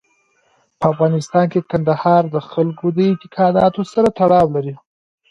په افغانستان کې کندهار د خلکو د اعتقاداتو سره تړاو لري.